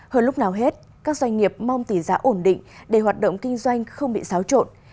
hơn lúc nào hết các doanh nghiệp mong tỷ giá ổn định để hoạt động kinh doanh không bị xáo trộn